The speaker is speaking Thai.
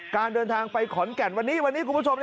การเดินทางไปขอนแก่นวันนี้วันนี้คุณผู้ชม